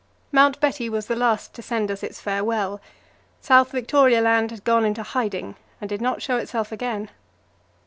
Mount Betty was the last to send us its farewell. South Victoria Land had gone into hiding, and did not show itself again.